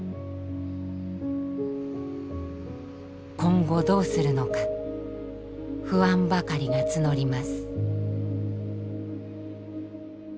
今後どうするのか不安ばかりが募ります。